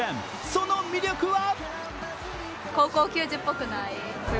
その魅力は？